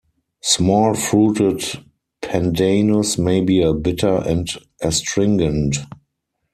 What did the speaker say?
Small-fruited pandanus may be bitter and astringent.